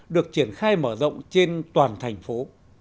được triển khai mở rộng trên toàn thành phố